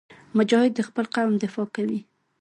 مجاهد د خپل قوم دفاع کوي.